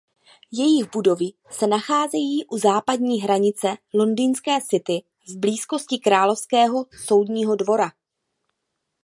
Jejich budovy se nacházejí u západní hranice Londýnské City v blízkosti Královského soudního dvora.